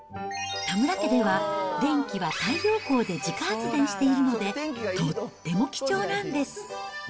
田村家では、電気は太陽光で自家発電しているので、とっても貴重なんです。